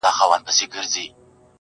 یو مرګ به تدریجي وي دا به لویه فاجعه وي.